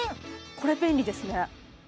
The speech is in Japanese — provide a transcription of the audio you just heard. これ便利ですね